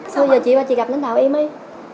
sao giờ chị và chị gặp lãnh đạo em ấy